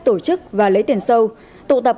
tổ chức và lấy tiền sâu tụ tập